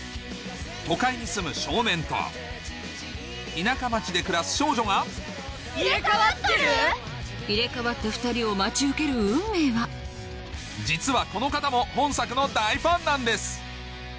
都会に住む少年と田舎町で暮らす少女が入れ替わってる⁉実はこの方も本作の大ファンなんです